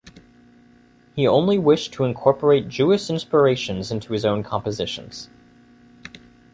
He only wished to incorporate Jewish inspirations into his own compositions.